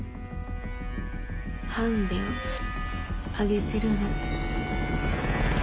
ハンデをあげてるの。